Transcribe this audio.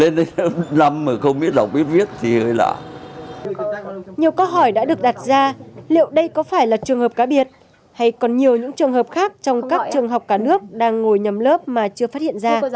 nhiều câu hỏi đã được đặt ra liệu đây có phải là trường hợp cá biệt hay còn nhiều những trường hợp khác trong các trường học cả nước đang ngồi nhầm lớp mà chưa phát hiện ra